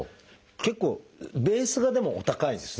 結構ベースがでもお高いんですね。